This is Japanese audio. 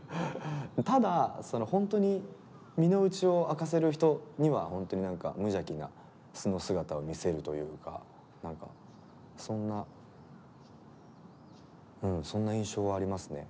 ただ本当に身のうちを明かせる人には本当に何か無邪気な素の姿を見せるというかそんなうんそんな印象はありますね。